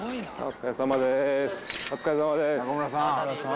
お疲れさまです。